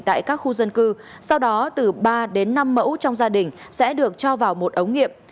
tại các khu dân cư sau đó từ ba đến năm mẫu trong gia đình sẽ được cho vào một ống nghiệm